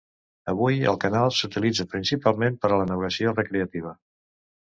Avui el canal s'utilitza principalment per a la navegació recreativa.